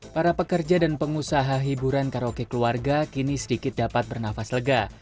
para pekerja dan pengusaha hiburan karaoke keluarga kini sedikit dapat bernafas lega